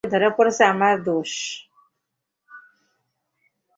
সে ধরা পড়েছে আমার দোষে।